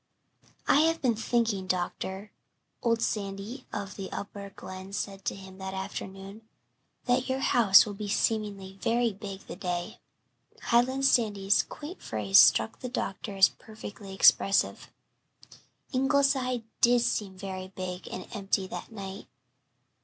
'" "I have been thinking, doctor," old Sandy of the Upper Glen said to him that afternoon, "that your house will be seeming very big the day." Highland Sandy's quaint phrase struck the doctor as perfectly expressive. Ingleside did seem very big and empty that night.